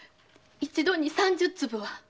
一度に三十粒は。